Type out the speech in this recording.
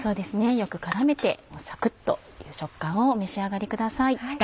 よく絡めてサクっという食感をお召し上がりください。